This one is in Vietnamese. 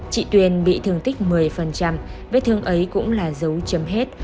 chị tuyền bị thương tích một mươi vết thương ấy cũng là dấu chấm hết